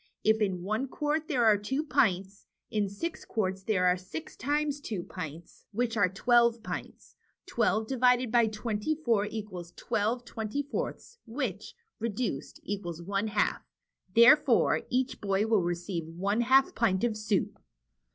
If in one quart there are two pints^ in six quarts there are six times two pints, which are twelve pints. Twelve divided by twenty four equals twelve twenty fourths, which, reduced, equals one half. Therefore, each boy will receive one half pint of soup."